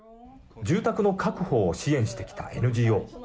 住宅の確保を支援してきたＮＧＯ。